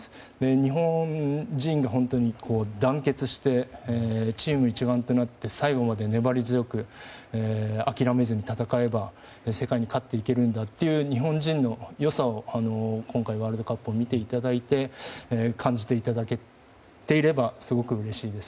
日本人が団結してチーム一丸となって最後まで粘り強く諦めずに戦えば世界に勝っていけるんだという日本人の良さを今回ワールドカップを見ていただいて感じていただけていればすごくうれしいです。